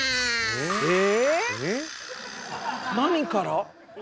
え⁉何から？